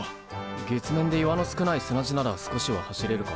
月面で岩の少ない砂地なら少しは走れるが。